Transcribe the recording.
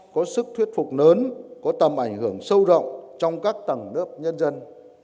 có sức thuyết phục lớn có tầm ảnh hưởng sâu rộng trong các tầng lớp nhân dân